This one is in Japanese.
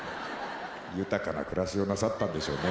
豊かな暮らしをなさったんでしょうね。